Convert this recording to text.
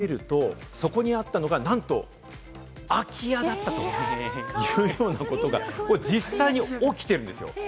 ところがですね、予約したホテルに行ってみると、そこにあったのが、なんと空き家だったというようなことが実際に起きているんですよ。